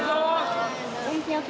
元気よく！